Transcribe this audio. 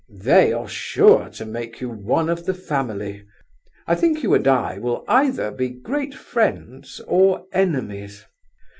They are sure to make you one of the family. I think you and I will either be great friends or enemies.